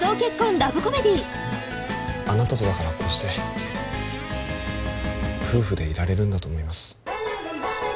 ラブコメディあなたとだからこうして夫婦でいられるんだと思います